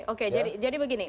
oke jadi begini